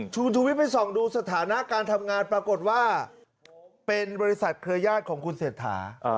คุณชูวิทย์ไปส่องดูสถานะการทำงานปรากฏว่าเป็นบริษัทเครือยาศของคุณเศรษฐา